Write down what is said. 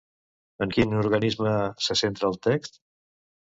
En quin organisme se centra el text?